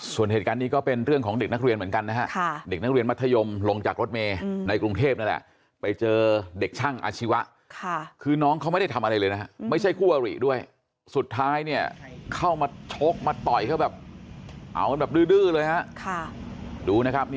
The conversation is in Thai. ส่วนเหตุการณ์นี้ก็เป็นเรื่องของเด็กนักเรียนเหมือนกันนะครับ